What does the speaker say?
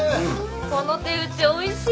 この手打ちおいしい。